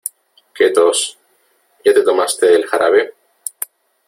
Qué tos, ¿ya te tomaste el jarabe?